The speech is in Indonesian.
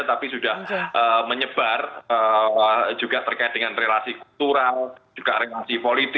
tapi sudah menyebar juga terkait dengan relasi kultural juga relasi politis seperti itu